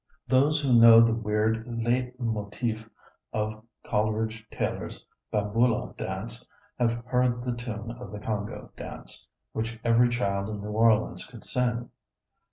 Those who know the weird liet motif of Coleridge Taylor's Bamboula dance have heard the tune of the Congo dance, which every child in New Orleans could sing.